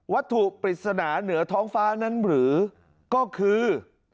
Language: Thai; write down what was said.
ปริศนาเหนือท้องฟ้านั้นหรือก็คือ